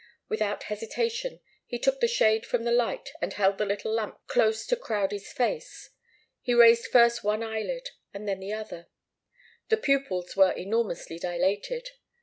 Without hesitation he took the shade from the light, and held the little lamp close to Crowdie's face. He raised first one eyelid and then the other. The pupils were enormously dilated.